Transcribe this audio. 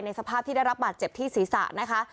สภาพที่ได้รับบาดเจ็บที่ศีรษะนะคะ